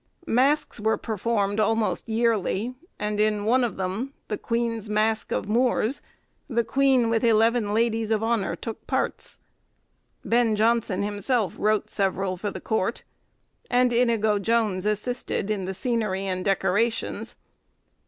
Masks were performed almost yearly; and in one of them, the 'Queen's Mask of Moors,' the queen with eleven ladies of honour took parts. Ben Jonson himself wrote several for the court, and Inigo Jones assisted in the scenery and decorations.